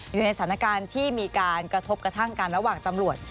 อยู่ในสถานการณ์ที่มีการกระทบกระทั่งกันระหว่างตำรวจ